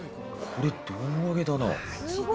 これ、胴上げだな。